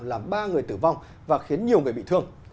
làm ba người tử vong và khiến nhiều người bị thương